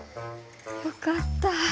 よかった。